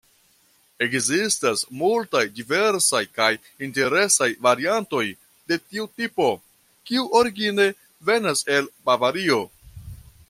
Ekzistas multaj diversaj kaj interesaj variantoj de tiu tipo, kiu origine venas el Bavario.